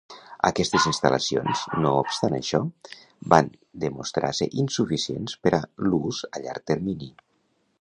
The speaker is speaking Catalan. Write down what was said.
Aquestes instal·lacions, no obstant això, van demostrar ser insuficients per a l'ús a llarg termini.